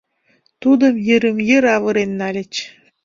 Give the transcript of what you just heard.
Тудым йырым-йыр авырен нальыч.